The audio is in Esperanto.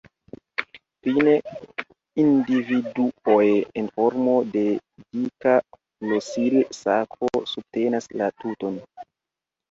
Fine individuoj en formo de dika flosil-sako subtenas la tuton.